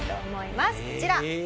こちら。